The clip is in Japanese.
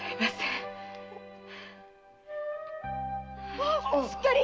ああっしっかり！